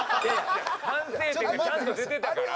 反省点がちゃんと出てたから。